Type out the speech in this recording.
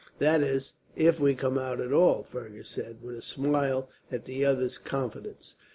"That is, if we come out at all," Fergus said, with a smile at the other's confidence.